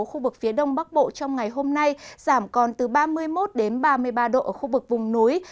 khu vực phía đông bắc bộ trong ngày hôm nay giảm còn từ ba mươi một ba mươi ba độ ở khu vực vùng núi